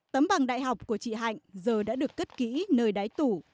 tấm bằng đại học của chị hạnh giờ đã được cất kỹ nơi đái tủ